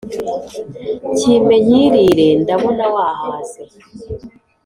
kimpe nkirire ndabona wahaze